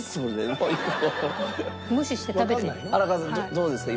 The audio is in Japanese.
どうですか？